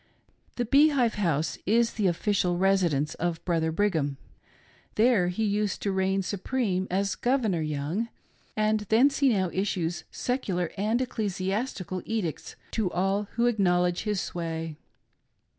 The Bee Hive House is the official residence of Brother Brigham. There he used to reign supreme as "Governor" Young; and thence he now issues secular and ecclesiastical edicts to all who acknowledge his sway.